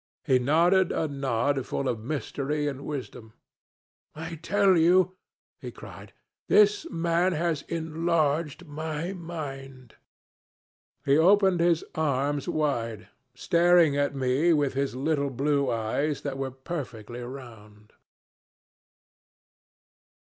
He nodded a nod full of mystery and wisdom. 'I tell you,' he cried, 'this man has enlarged my mind.' He opened his arms wide, staring at me with his little blue eyes that were perfectly round."